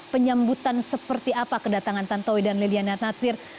penyambutan seperti apa kedatangan tantowi dan liliana natsir